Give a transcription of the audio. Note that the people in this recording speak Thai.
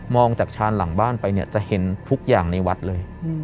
จากชานหลังบ้านไปเนี่ยจะเห็นทุกอย่างในวัดเลย